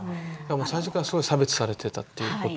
最初からすごい差別されてたっていうことですね。